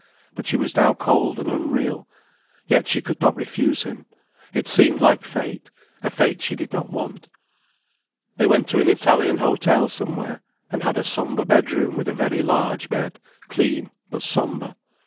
But she was now cold and unreal. Yet she could not refuse him. It seemed like fate, a fate she did not want. They went to an Italian hotel somewhere, and had a sombre bedroom with a very large bed, clean, but sombre.